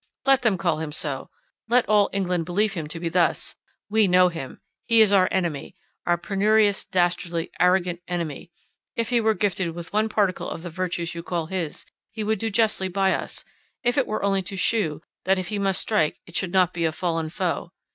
Let them call him so, let all England believe him to be thus—we know him—he is our enemy—our penurious, dastardly, arrogant enemy; if he were gifted with one particle of the virtues you call his, he would do justly by us, if it were only to shew, that if he must strike, it should not be a fallen foe.